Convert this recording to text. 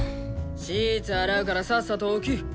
シーツ洗うからさっさと起き！